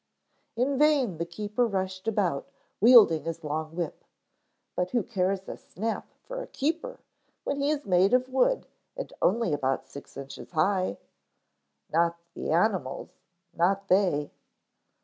In vain the keeper rushed about wielding his long whip. But who cares a snap for a keeper when he is made of wood and only about six inches high? Not the animals, not they.